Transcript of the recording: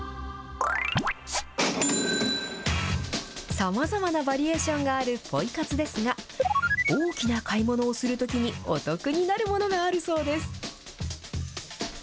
さまざまなバリエーションがあるポイ活ですが、大きな買い物をするときにお得になるものがあるそうです。